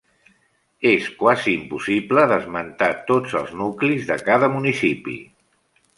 És quasi impossible d'esmentar tots els nuclis de cada municipi.